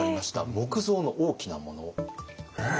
木造の大きなもの。